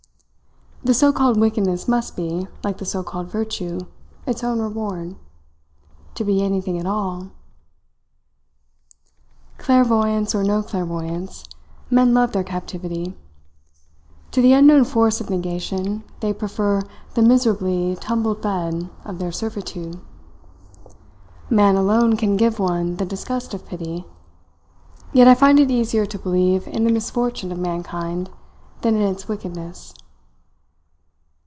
The so called wickedness must be, like the so called virtue, its own reward to be anything at all ... Clairvoyance or no clairvoyance, men love their captivity. To the unknown force of negation they prefer the miserably tumbled bed of their servitude. Man alone can give one the disgust of pity; yet I find it easier to believe in the misfortune of mankind than in its wickedness.